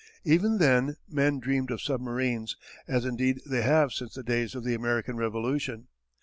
Even then men dreamed of submarines, as indeed they have since the days of the American Revolution.